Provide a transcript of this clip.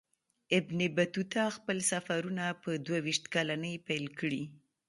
ابن بطوطه خپل سفرونه په دوه ویشت کلنۍ پیل کړي.